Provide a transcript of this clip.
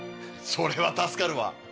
それは助かるわ。